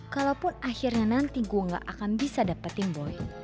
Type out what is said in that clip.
kalo pun akhirnya nanti gue gak akan bisa dapetin boy